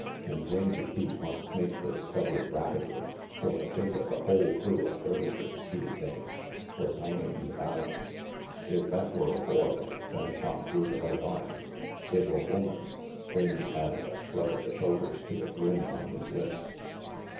And Rangy Pete must make the discovery rapidly, for the fate of the whole crew of Dervishers, he admitted, was hanging in the balance. If that were a boy, then a shot through the right arm. If a woman Rangy added a shrug of the shoulders to the grin on his lips.